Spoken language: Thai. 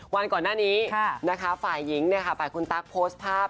วันก่อนหน้านี้นะคะฝ่ายหญิงฝ่ายคุณตั๊กโพสต์ภาพ